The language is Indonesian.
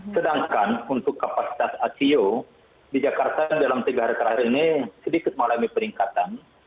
sedangkan untuk kapasitas ico di jakarta dalam tiga hari terakhir ini sedikit mengalami peningkatan